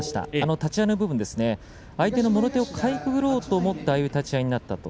立ち合いの部分相手のもろ手をかいくぐろうと思ってああいう立ち合いになった。